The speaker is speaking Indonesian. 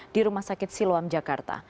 di rumah sakit siloam jakarta